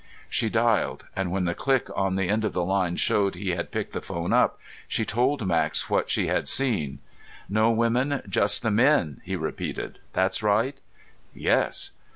She dialed, and when the click on the end of the line showed he had picked the phone up, she told Max what she had seen. "No women, just the men," he repeated. "That right?" "Yes."